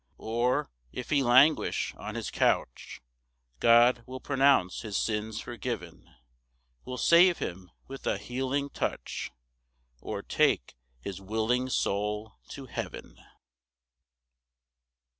4 Or if he languish on his couch, God will pronounce his sins forgiv'n, Will save him with a healing touch, Or take his willing soul to heaven.